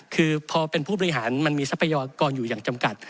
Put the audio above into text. คือพอเป็นผู้บริหารมันมีทรัพยากรอยู่อย่างจำกัด